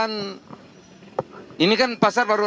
nomor berapa ya kemarin